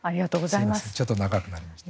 ちょっと長くなりました。